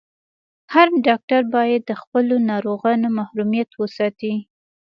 هر ډاکټر باید د خپلو ناروغانو محرميت وساتي.